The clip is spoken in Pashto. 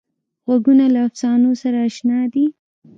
غوږونه له افسانو سره اشنا دي